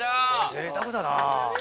ぜいたくだな。